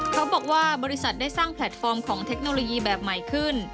เขาบอกว่าบริษัทได้สร้างแพลตฟอร์มของเทคโนโลยีแบบใหม่ขึ้น